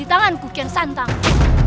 sampai jumpa lagi